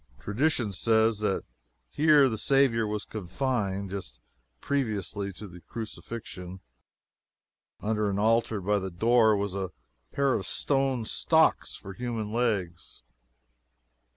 Tradition says that here the Saviour was confined just previously to the crucifixion. Under an altar by the door was a pair of stone stocks for human legs.